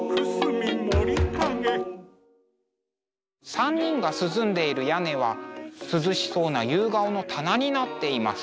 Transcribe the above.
３人が涼んでいる屋根は涼しそうな夕顔の棚になっています。